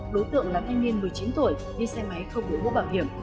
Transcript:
đối tượng là thanh niên một mươi chín tuổi đi xe máy không đổi mũ bảo hiểm